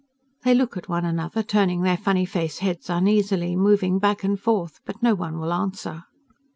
They look at one another, turning their funny face heads uneasily, moving back and forth, but no one will answer.